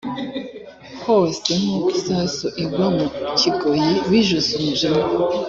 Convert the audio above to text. hose nk’uko isasu igwa mu kigoyi bijuse umujinya